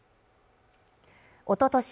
おととし